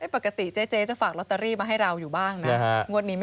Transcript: ปกติเจ๊เจ๊จะฝากลอตเตอรี่มาให้เราอยู่บ้างนะนะฮะ